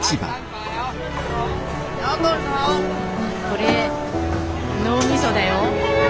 これ脳みそだよ。